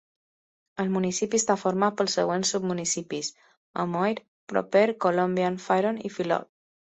El municipi està format pels següents submunicipis: Hamoir proper, Comblain-Fairon i Filot.